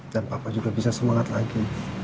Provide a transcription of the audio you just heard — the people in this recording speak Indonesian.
dan papa juga bisa semangat lagi